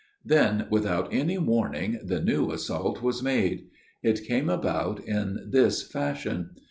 Then, without any warning the new assault was made. It came about in this fashion.